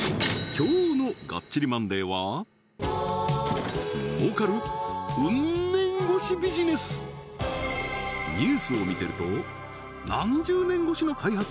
今日の「がっちりマンデー！！」はニュースを見てると「何十年越しの開発を経て」